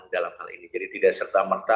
dalam hal ini jadi tidak serta merta